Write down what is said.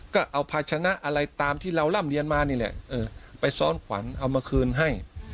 ก็เอาภาชนะอะไรตามที่เราร่ำเรียนมานี่แหละไปซ้อนขวัญเอามาคืนให้